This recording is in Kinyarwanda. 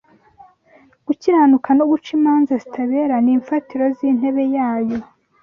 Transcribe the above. gukiranuka no guca imanza zitabera ni imfatiro z’intebe yayo